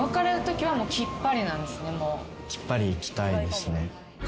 きっぱりいきたいですね。